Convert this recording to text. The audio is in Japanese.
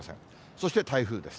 そして台風です。